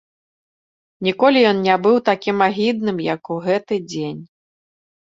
Ніколі ён не быў такім агідным, як у гэты дзень.